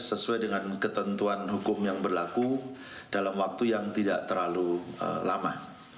sesuai dengan ketentuan hukum yang berlaku dalam waktu yang tidak terlalu lama